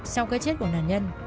sau cái chết của nạn nhân